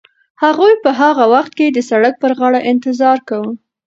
هغوی به په هغه وخت کې د سړک پر غاړه انتظار کاوه.